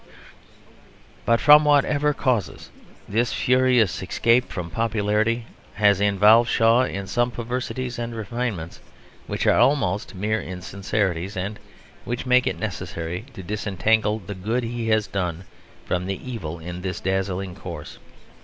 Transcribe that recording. But from whatever causes, this furious escape from popularity has involved Shaw in some perversities and refinements which are almost mere insincerities, and which make it necessary to disentangle the good he has done from the evil in this dazzling course.